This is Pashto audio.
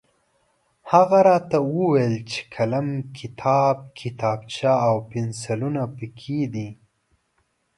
هغه راته وویل چې قلم، کتاب، کتابچه او پنسلونه پکې دي.